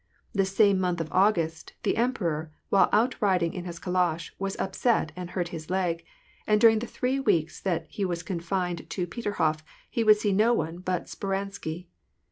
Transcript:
This same month of August, the emperor, while out riding in his calash, was upset, and hurt his leg; and during the three weeks that he was confined to Peterhof, he would see no one but Speransky.